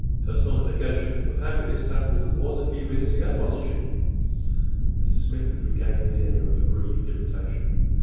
Personification of happiness—that woman was, a few minutes ago, wasn't she?" Mr. Smith had regained his air of aggrieved irritation.